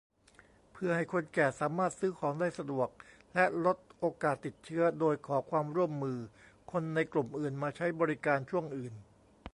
เพื่อให้คนแก่สามารถซื้อของได้สะดวกและลดโอกาสติดเชื้อ โดยขอความร่วมมือคนกลุ่มอื่นมาใช้บริการช่วงอื่น